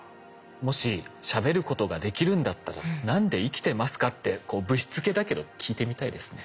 もししゃべることができるんだったら「何で生きてますか？」ってぶしつけだけど聞いてみたいですね。